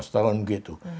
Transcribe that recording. dua belas tahun begitu